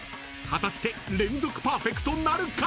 果たして連続パーフェクトなるか！？］